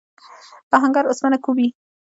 آهنګر اوسپنه کوبي.